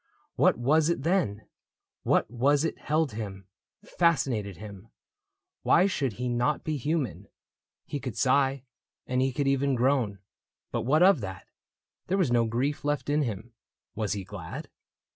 What was it, then ? What was it held him — fascinated him ? Why should he not be human ? He could sigh. And he could even groan, — but what of that ? There was no grief left in him. Was he glad